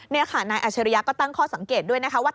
นี่ค่ะนายอัชริยะก็ตั้งข้อสังเกตด้วยนะคะว่า